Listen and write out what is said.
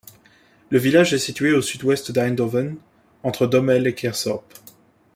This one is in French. Le village est situé au sud-ouest d'Eindhoven, entre Dommel et Keersop.